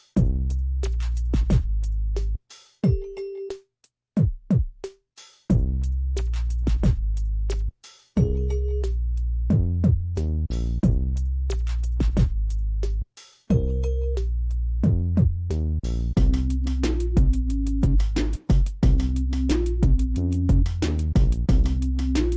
วันนี้ก็เป็นที่ก็แบบโอ๊ยสั่งรูปเซอร์เวสดีกว่าอะไรอย่างนี้ครับ